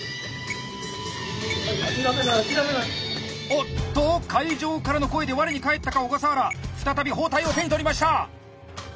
おっと会場からの声で我に返ったか小笠原再び包帯を手に取りました。